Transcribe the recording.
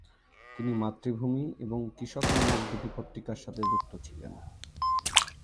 তিনি মাতৃভূমি এবং কৃষক নামক দুটি পত্রিকার সাথে যুক্ত ছিলেন।